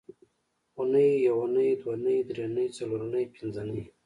اونۍ یونۍ دونۍ درېنۍ څلورنۍ پینځنۍ